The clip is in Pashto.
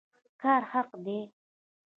کار حق دی